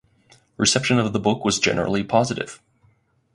Reception of the book was generally positive.